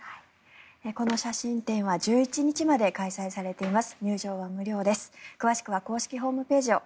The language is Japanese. この写真展は１１日まで開催されています。